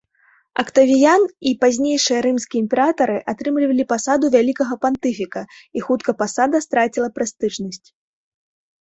Актавіян і пазнейшыя рымскія імператары атрымлівалі пасаду вялікага пантыфіка, і хутка пасада страціла прэстыжнасць.